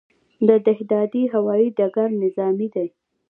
د دهدادي هوايي ډګر نظامي دی